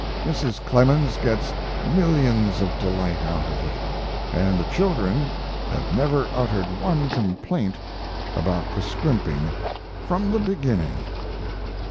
Mrs. Clemens gets millions of delight out of it; & the children have never uttered one complaint about the scrimping from the beginning.